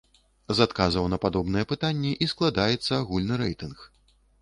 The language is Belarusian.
З адказаў на падобныя пытанні і складаецца агульны рэйтынг.